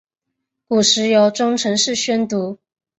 古时由中臣式宣读。